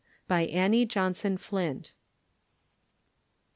By Annie Johnson Flint.